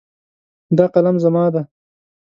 دا قلم زما ده